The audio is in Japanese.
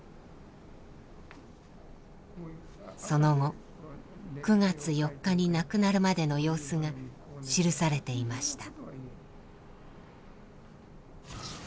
その後９月４日に亡くなるまでの様子が記されていました。